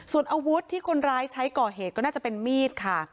ส่วนอาวุธที่คนร้ายใช้ก่อเหตุก็น่าจะเป็นมีดค่ะ